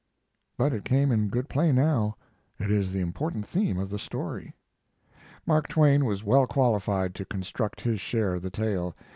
But it came in good play now. It is the important theme of the story. Mark Twain was well qualified to construct his share of the tale.